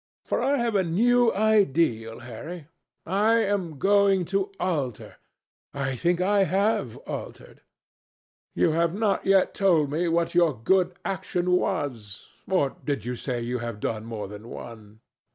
For I have a new ideal, Harry. I am going to alter. I think I have altered." "You have not yet told me what your good action was. Or did you say you had done more than one?"